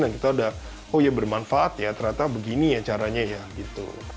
dan kita udah oh ya bermanfaat ya ternyata begini ya caranya gitu